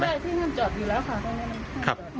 ใช่ที่ห้ามจอดอยู่แล้วค่ะ